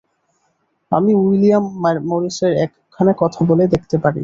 আমি উইলিয়াম মরিসের ওখানে কথা বলে দেখতে পারি।